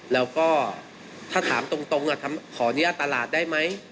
แล้วก็ถ้าถามตรงขออนุญาตตลาดได้ไหม